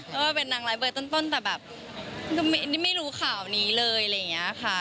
เพราะว่าเป็นนางร้ายเบอร์ต้นแต่แบบไม่รู้ข่าวนี้เลยอะไรอย่างนี้ค่ะ